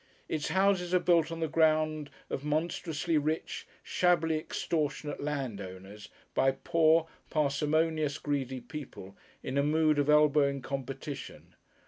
Its houses are built on the ground of monstrously rich, shabbily extortionate landowners, by poor, parsimonious, greedy people in a mood of elbowing competition.